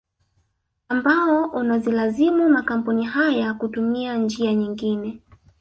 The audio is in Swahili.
Ambao unazilazimu makampuni haya kutumia njia nyingine